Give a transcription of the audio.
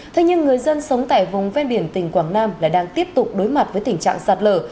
thế nhưng người dân sống tại vùng ven biển tỉnh quảng nam lại đang tiếp tục đối mặt với tình trạng sạt lở